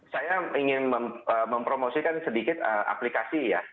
saya ingin mempromosikan sedikit aplikasi ya